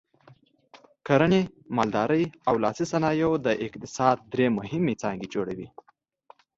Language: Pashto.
کرنې، مالدارۍ او لاسي صنایعو د اقتصاد درې مهمې څانګې جوړولې.